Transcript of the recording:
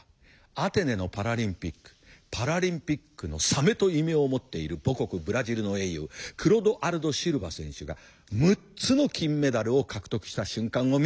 アテネのパラリンピック「パラリンピックの鮫」と異名を持っている母国ブラジルの英雄クロドアルド・シルバ選手が６つの金メダルを獲得した瞬間を見た。